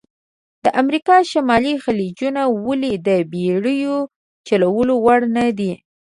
د امریکا شمالي خلیجونه ولې د بېړیو چلول وړ نه دي؟